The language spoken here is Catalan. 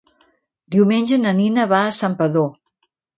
Diumenge na Nina va a Santpedor.